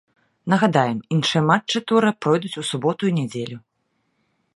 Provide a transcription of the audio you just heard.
Нагадаем, іншыя матчы тура пройдуць у суботу і нядзелю.